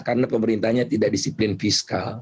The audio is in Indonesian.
karena pemerintahnya tidak disiplin fiskal